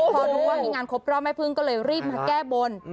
พอรู้ว่ามีงานครบรอบแม่พึ่งก็เลยรีบมาแก้บน